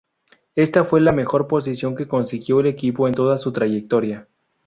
Esta fue la mejor posición que consiguió el equipo en toda su trayectoria.